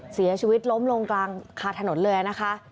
เสียชีวิตล้มลงกลางคาถนนเลยนะคะ